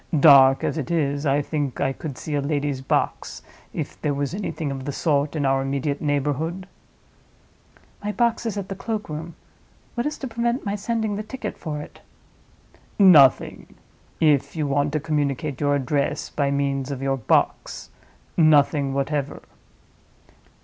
Dark as it is, I think I could see a lady's box, if there was anything of the sort in our immediate neighborhood." "My box is at the cloak room. What is to prevent my sending the ticket for it?" "Nothing—if you want to communicate your address by means of your box—nothing whatever.